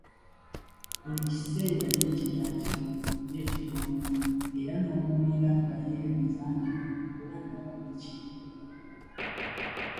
Buli kiseera yeetigaatiga, yeetigonyoola , era n'owulira nga yeeyogeza nti, " oba nnabadde ki?